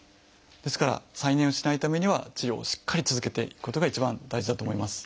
ですから再燃をしないためには治療をしっかり続けていくことが一番大事だと思います。